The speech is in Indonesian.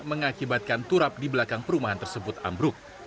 mengakibatkan turap di belakang perumahan tersebut ambruk